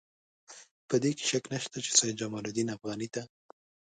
په دې کې شک نشته چې سید جمال الدین افغاني ته.